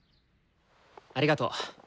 ありがと。